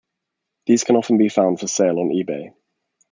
These can often be found for sale on eBay.